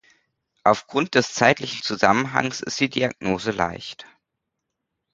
Aufgrund des zeitlichen Zusammenhangs ist die Diagnose leicht.